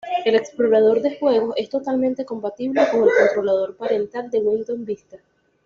El Explorador de juegos es totalmente compatible con el controlador parental del Windows Vista.